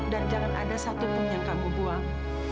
dan jangan ada satu pun yang kamu buang